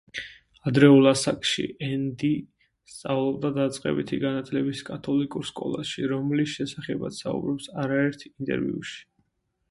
ადრეულ ასაკში ენდი სწავლობდა დაწყებითი განათლების კათოლიკურ სკოლაში, რომლის შესახებაც საუბრობს არაერთ ინტერვიუში.